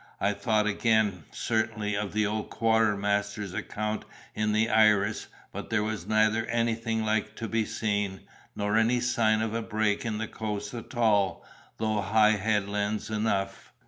I thought again, certainly, of the old quartermaster's account in the Iris, but there was neither anything like to be seen, nor any sign of a break in the coast at all, though high headlands enough.